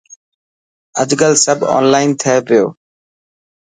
اڄڪل سب اونلائن ٿي پيو.